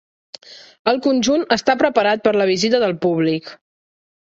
El conjunt està preparat per a la visita del públic.